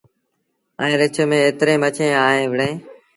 ائيٚݩٚ رڇ ميݩ ايتريݩ مڇيٚنٚ آئي وهُڙينٚ